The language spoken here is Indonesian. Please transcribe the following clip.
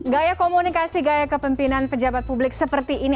gaya komunikasi gaya kepemimpinan pejabat publik seperti ini